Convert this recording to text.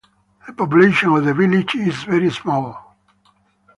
The population of the village is very small.